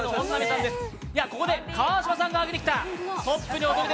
ここで川島さんが上げてきた。